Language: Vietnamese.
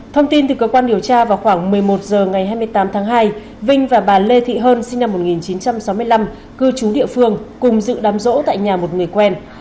thông tin từ cơ quan điều tra vào khoảng một mươi một h ngày hai mươi tám tháng hai vinh và bà lê thị hơn sinh năm một nghìn chín trăm sáu mươi năm cư trú địa phương cùng dự đám rỗ tại nhà một người quen